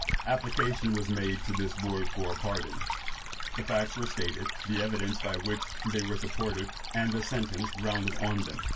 Application was made to this board for a pardon. The facts were stated, the evidence by which they were supported, and the sentence grounded on them.